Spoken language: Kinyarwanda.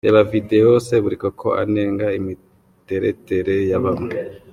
Reba Videwo Seburikoko anenga imiteretere ya bamwe .